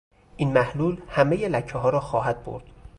این محلول همهی لکهها را خواهد برد.